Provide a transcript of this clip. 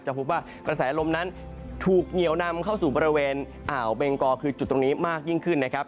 พบว่ากระแสลมนั้นถูกเหนียวนำเข้าสู่บริเวณอ่าวเบงกอคือจุดตรงนี้มากยิ่งขึ้นนะครับ